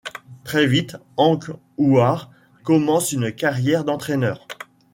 Très vite, Henk Houwaart commence une carrière d'entraîneur.